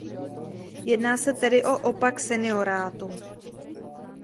Jedná se tedy o opak seniorátu.